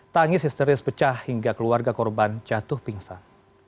tangis histeris pecah hingga keluarga korban jatuh pingsan